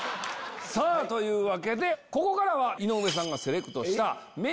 さぁというわけでここからは。